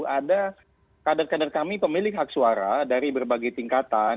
ada kader kader kami pemilik hak suara dari berbagai tingkatan